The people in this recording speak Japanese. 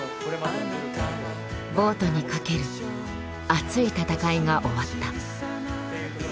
ボートにかける熱い戦いが終わった。